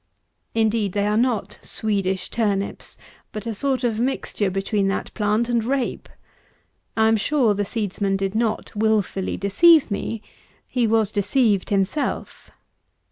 Indeed, they are not Swedish turnips, but a sort of mixture between that plant and rape. I am sure the seedsman did not wilfully deceive me. He was deceived himself.